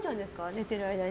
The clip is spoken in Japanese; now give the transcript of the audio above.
寝てる間に。